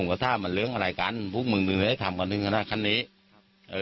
ผมก็ท่ามันเรื่องอะไรกันพวกมึงหนึ่งเลยให้ถามก่อนหนึ่งข้างหน้าขั้นนี้ครับ